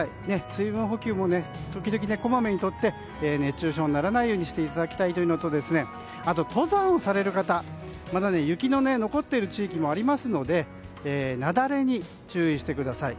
水分補給もこまめにとって熱中症にならないようにしていただきたいというのとあと登山される方まだ雪の残っている地域もありますので雪崩に注意してください。